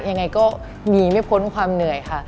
ยังไงก็หนีไม่พ้นความเหนื่อยค่ะ